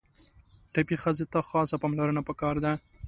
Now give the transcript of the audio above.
ټپي ښځې ته خاصه پاملرنه پکار ده.